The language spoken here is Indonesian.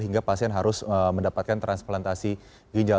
hingga pasien harus mendapatkan transplantasi ginjal